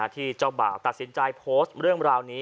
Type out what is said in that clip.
ที่เจ้าบ่าวตัดสินใจโพสต์เรื่องราวนี้